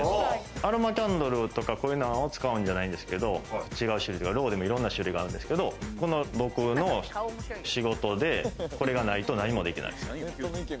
アロマキャンドルとかは、こういうのを使うんじゃないですけど、いろんな種類があるんですけど、僕の仕事で、これがないと何もできないです。